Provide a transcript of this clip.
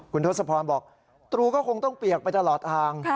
คุณทศพรบอกตรูก็คงต้องเปียกไปตลอดทาง